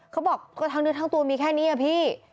เขาบอกก็ทั้งเนื้อทั้งตัวมีแค่นี้อะพี่